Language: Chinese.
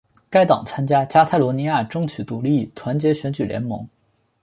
该党参加加泰罗尼亚争取独立团结选举联盟。